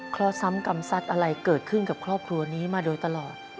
ข้อซ้ำกรรมสัตว์อะไรเกิดขึ้นกับครอบครัวนี้มาโดยตลอด